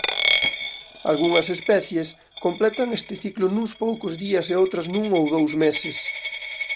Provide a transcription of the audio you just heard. Algunhas especies completan este ciclo nuns poucos días e outras nun ou dous meses.